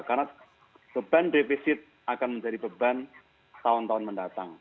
karena beban defisit akan menjadi beban tahun tahun mendatang